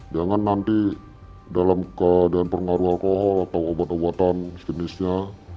jangan nanti dalam keadaan pengaruh alkohol atau obat obatan sejenisnya